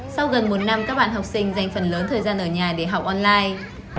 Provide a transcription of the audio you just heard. sau gần một năm các bạn học sinh dành phần lớn thời gian ở nhà để học online